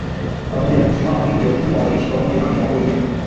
Pamoja na kusimama dhidi ya utumwa waliishi pamoja na wanyama pori wengi